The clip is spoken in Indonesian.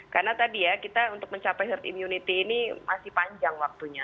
karena tadi ya kita untuk mencapai herd immunity ini masih panjang waktunya